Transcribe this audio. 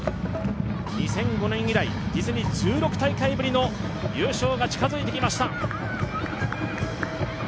２００５年以来、実に１６大会ぶりの優勝が近づいてきました。